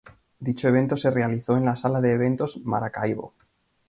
Dicho evento se realizó en la Sala de Eventos Maracaibo.